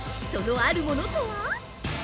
そのあるものとは？